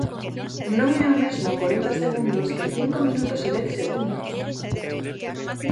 ¡Non é o mesmo corenta segundos que cinco minutos e dez segundos!